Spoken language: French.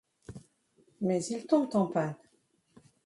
Mais ils tombent en panne.